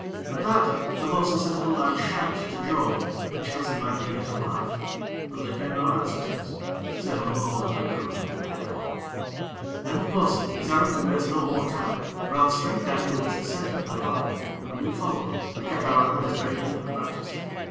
At that, the bo'sun set up a loud shout to Job, perchance he might be yet alive; but there came no answer to us, save a low and uncomfortable echo. Then the bo'sun, desiring to waste no more time, ran straight down towards the center of the valley, and we followed, and kept our eyes very open about us.